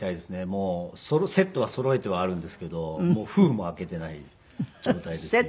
もうセットはそろえてはあるんですけど封も開けていない状態です